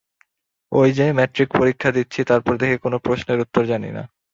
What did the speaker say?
ঐ যে, ম্যাট্রিক পরীক্ষা দিচ্ছি, তারপর দেখি কোনো প্রশ্নের উত্তর জানি না।